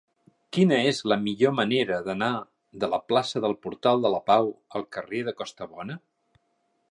Quina és la millor manera d'anar de la plaça del Portal de la Pau al carrer de Costabona?